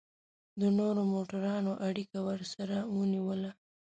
د نورو موټرانو اړیکه ورسره ونیوله.